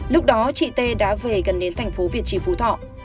lúc đó chị t đã về gần đến thành phố việt trì phú thọ